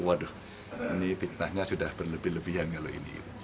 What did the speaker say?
waduh ini fitnahnya sudah berlebih lebihan kalau ini